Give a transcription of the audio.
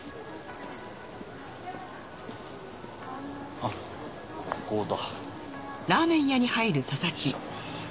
あっここだ。